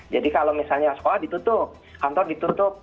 kalau misalnya sekolah ditutup kantor ditutup